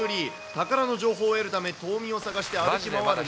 宝の情報を得るため、島民を探して歩き回るも。